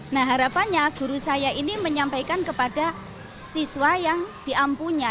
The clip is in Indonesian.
nah harapannya guru saya ini menyampaikan kepada siswa yang diampunya